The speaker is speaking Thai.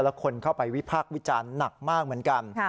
แล้วคนเข้าไปวิพากษ์วิจารณ์หนักมากเหมือนกัน